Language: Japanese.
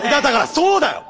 そうだよ！